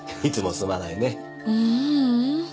ううん。